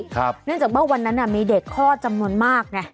เนื่องจากว่าวันนั้นมีเด็กคลอดจำนวนมากไง